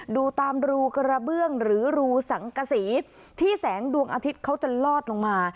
ดูตามรูกระเบื้องหรือรูสังกษีที่แสงดวงอาทิตย์เขาจะลอดลงมา